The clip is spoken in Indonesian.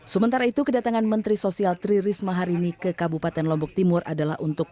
sementara itu kedatangan menteri sosial tri risma hari ini ke kabupaten lombok timur adalah untuk